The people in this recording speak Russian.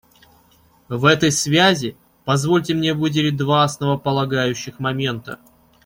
В этой связи позвольте мне выделить два основополагающих момента.